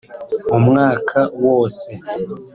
mu mwaka wose